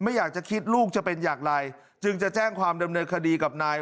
ไม่อยากจะคิดลูกจะเป็นอย่างไรจึงจะแจ้งความดำเนินคดีกับนาย